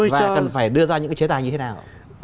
thì cần phải đưa ra những cái chế tài như thế nào